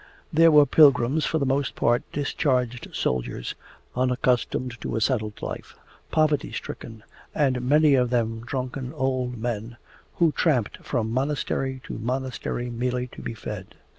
There were pilgrims, for the most part discharged soldiers, unaccustomed to a settled life, poverty stricken, and many of them drunken old men, who tramped from monastery to monastery merely to be fed.